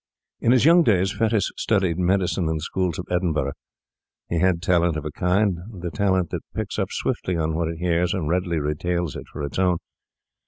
In his young days Fettes studied medicine in the schools of Edinburgh. He had talent of a kind, the talent that picks up swiftly what it hears and readily retails it for its own.